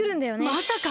まさか！？